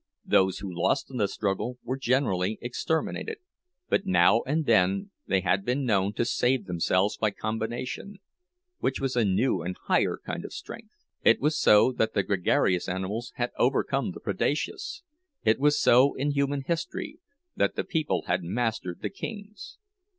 Those who lost in the struggle were generally exterminated; but now and then they had been known to save themselves by combination—which was a new and higher kind of strength. It was so that the gregarious animals had overcome the predaceous; it was so, in human history, that the people had mastered the kings.